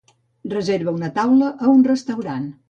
Reserva una taula a un restaurant.